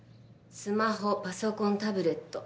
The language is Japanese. スマホパソコンタブレット。